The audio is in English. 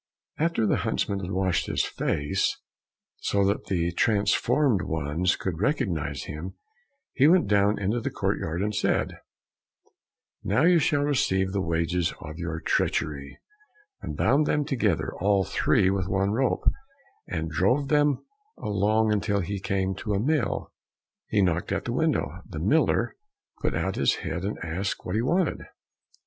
After the huntsman had washed his face, so that the transformed ones could recognize him, he went down into the courtyard, and said, "Now you shall receive the wages of your treachery," and bound them together, all three with one rope, and drove them along until he came to a mill. He knocked at the window, the miller put out his head, and asked what he wanted.